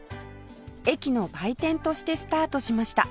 駅の売店としてスタートしました